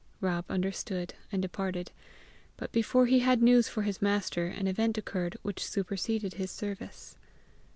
Rob understood and departed; but before he had news for his master an event occurred which superseded his service.